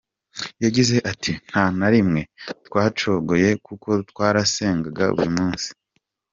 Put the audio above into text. Yagize ati “Nta na rimwe twacogoye kuko twarasengaga buri munsi.